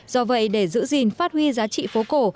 do vậy để giữ gìn phát huy giá trị phố cổ